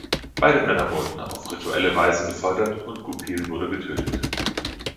Beide Männer wurden auf rituelle Weise gefoltert und Goupil wurde getötet.